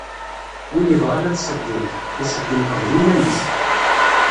Win yebɣan ad tṣeggem, iṣeggem qbel iman-is.